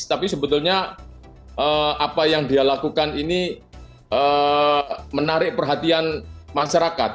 tapi sebetulnya apa yang dia lakukan ini menarik perhatian masyarakat